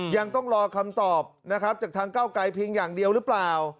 ยังต้องรอคำตอบนะครับจากทางเก้าไกรเพียงอย่างเดียวหรือเปล่า